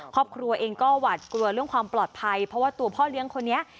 ครอบครัวเองก็หวาดกลัวเรื่องความปลอดภัยเพราะว่าตัวพ่อเลี้ยงคนนี้